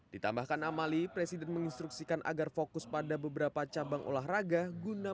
ditambahkan amali presiden menginstruksikan agar fokus pada beberapa cabang olahraga guna